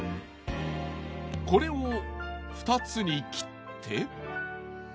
これを２つに切って。